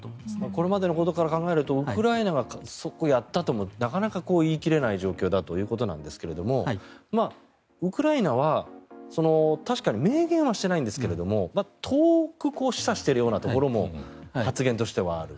これまでのことから考えるとウクライナがやったともなかなか言い切れない状況だということですがウクライナは確かに明言はしてないんですが遠く示唆しているようなところも発言としてはある。